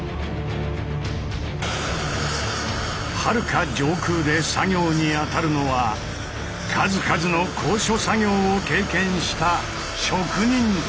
はるか上空で作業にあたるのは数々の高所作業を経験した職人たち。